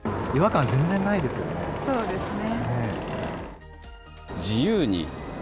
そうですね。